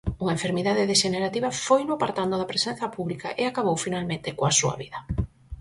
Unha enfermidade dexenerativa foino apartando da presenza pública e acabou finalmente coa súa vida.